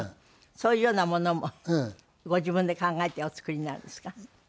そういうようなものもご自分で考えてお作りになるんですか？